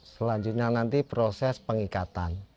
selanjutnya nanti proses pengikatan